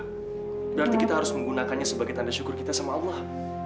berarti kita harus menggunakannya sebagai tanda syukur kita sama allah